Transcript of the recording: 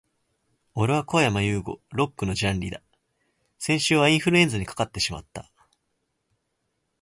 俺はこやまゆうご。Lock のジャンリだ。先週はインフルエンザにかかってしまった、、、